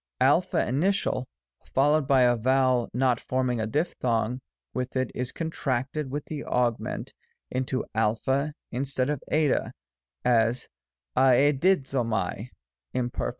Alpha initial, followed by a vowel not forming a diphthong with it, is contracted with the augment into a instead of 77 ; as, a^Si^ o/^aiy Imperf.